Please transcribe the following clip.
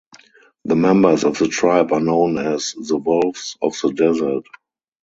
The members of the tribe are known as "the wolves of the desert".